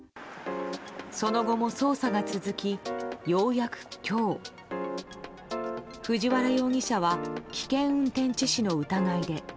その後も、捜査が続きようやく今日藤原容疑者は危険運転致死の疑いで。